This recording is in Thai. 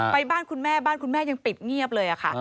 บ้านคุณแม่บ้านคุณแม่ยังปิดเงียบเลยค่ะ